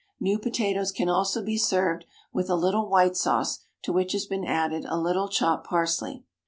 New potatoes can also be served with a little white sauce to which has been added a little chopped parsley.